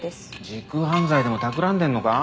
時空犯罪でもたくらんでんのか？